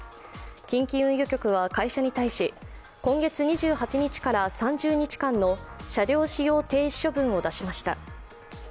近畿運輸局は会社に対し今月２８日から３０日間の車両使用停止処分を出しました。